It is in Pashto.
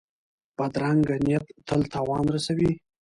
بدرنګه نیت تل تاوان رسوي